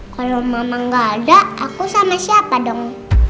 kalau memang gak ada aku sama siapa dong